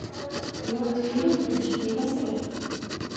Multfilm — bu jiddiy masala